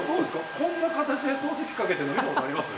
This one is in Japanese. こんな形で掃除機かけてる人、見たことありますか？